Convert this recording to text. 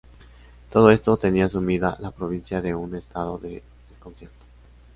Todo esto tenía sumida a la provincia en un estado de desconcierto.